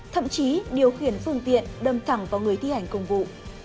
thậm chí điều khiển phương tiện đâm thẳng vào người thiền công vụ